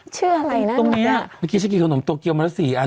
เจ้านี้ก็อร่อยมาก